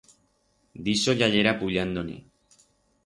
D'ixo ya yera puyando-ne.